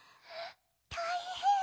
たいへん！